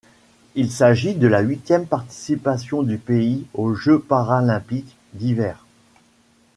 Il s'agit de la huitième participation du pays aux Jeux paralympiques d'hiver.